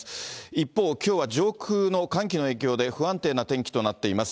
一方、きょうは上空の寒気の影響で、不安定な天気となっています。